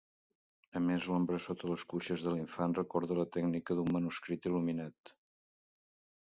A més, l'ombra sota les cuixes de l'infant recorda la tècnica d'un manuscrit il·luminat.